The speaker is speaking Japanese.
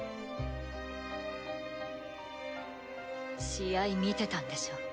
試合見てたんでしょ？